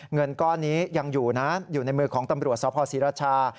เงินก้อนนี้ยังอยู่นะอยู่ในมือของตำรวจสภศรีราชา